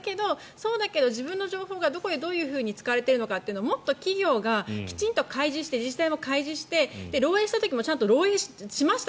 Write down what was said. そうだけど、自分の情報がどこでどんなふうに使われているのかというのをもっと企業がきちんと開示して自治体も開示して漏えいした時もちゃんと漏えいしました